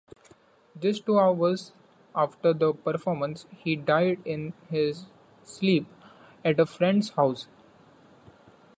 Just hours after the performance, he died in his sleep at a friend's house.